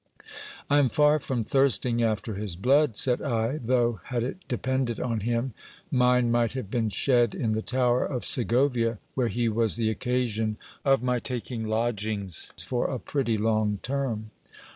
I am far from thirsting after his blood, said I, though had it depended on him, mine might have been shed in the tower of Segovia, where he was the occasion of my taking lodgings for a pretty long term.